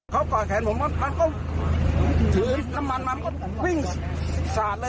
จุดมันก็วิ่งลงน้ำโดดลงน้ำเลย